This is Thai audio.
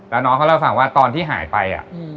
แล้วน้องเขาเล่าให้ฟังว่าตอนที่หายไป